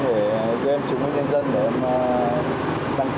anh để cho em chứng minh nhân dân để em đăng ký